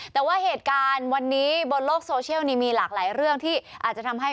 แต่ว่าเหตุการณ์วันนี้บนโลกโซเชียลมีหลากหลายเรื่องที่อาจจะทำให้